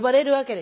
で